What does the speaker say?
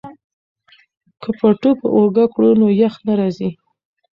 که پټو په اوږه کړو نو یخ نه راځي.